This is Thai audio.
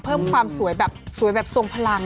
เพิ่มความสวยแบบสวยแบบทรงพลัง